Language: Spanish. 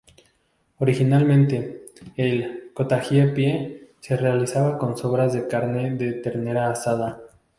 Originalmente, el "cottage pie" se realizaba con sobras de carne de ternera asada.